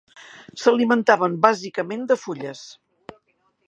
S'alimentaven bàsicament de fulles.